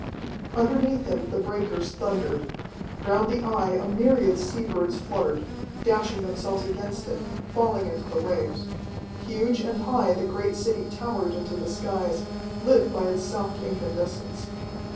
Underneath him the breakers thundered: round the Eye a myriad sea birds fluttered, dashing themselves against it, falling into the waves. Huge and high the great city towered into the skies, lit by its soft incandescence.